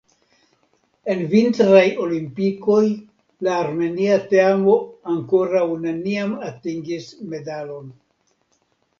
En Vintraj Olimpikoj la armenia teamo ankoraŭ neniam atingis medalon.